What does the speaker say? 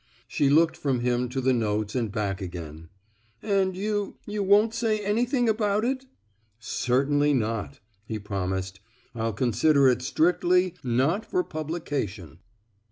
She looked from him to the notes and back again. And you — you won't say any thing about itf "Certainly not," he promised. I'll con sider it strictly * not for publication.'